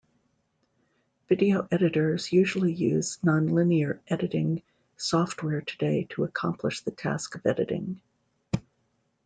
Video editors usually use non-linear editing software today to accomplish the task of editing.